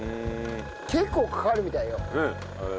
結構かかるみたいよ。